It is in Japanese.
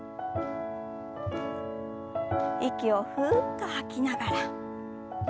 息をふっと吐きながら。